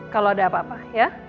kalau ada apa apa ya